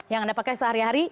yang anda pakai sehari hari